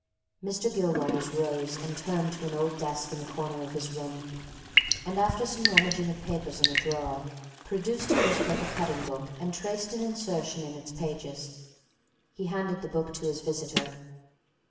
Mr. Gilwaters rose and turned to an old desk in the corner of his room, and after some rummaging of papers in a drawer, produced a newspaper cutting book and traced an insertion in its pages. He handed the book to his visitor.